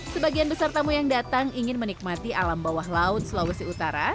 sebagian besar tamu yang datang ingin menikmati alam bawah laut sulawesi utara